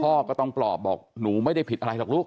พ่อก็ต้องปลอบบอกหนูไม่ได้ผิดอะไรหรอกลูก